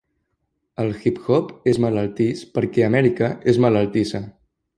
El Hip Hop és malaltís per què Amèrica és malaltissa.